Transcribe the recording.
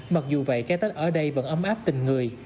mặc dù vậy cái tết ở đây vẫn ấm áp tình người